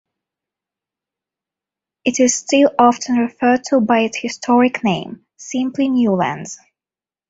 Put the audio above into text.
It is still often referred to by its historic name, simply "Newlands".